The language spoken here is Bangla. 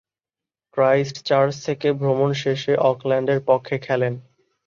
ক্রাইস্টচার্চ থেকে ভ্রমণ শেষে অকল্যান্ডের পক্ষে খেলেন।